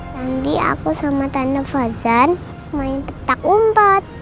dandi aku sama tante fosun main petak umpat